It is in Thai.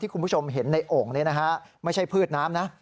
คุณผู้ชมเห็นในโอ่งนี้นะฮะไม่ใช่พืชน้ำนะ